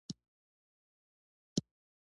د موسمي بدلونونو په اړه ادبي شننې پکې خپریږي.